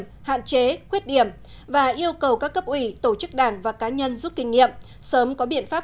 những hạn chế khuyết điểm và yêu cầu các cấp ủy tổ chức đảng và cá nhân rút kinh nghiệm sớm có biện pháp